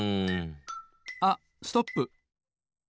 あっストップ！